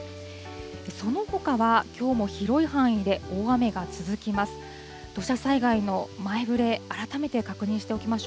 そのほかはきょうも広い範囲で大雨が続きます。